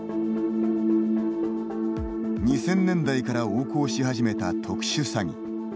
２０００年代から横行し始めた特殊詐偽。